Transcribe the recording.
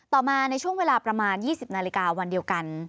ต่อมาในช่วงเวลาประมาณ๒๐นาฬิกาวันเดียวกัน